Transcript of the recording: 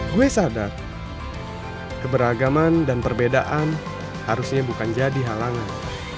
gue sadar keberagaman dan perbedaan harusnya bukan jadi halangan